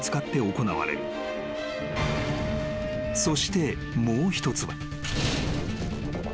［そしてもう一つは］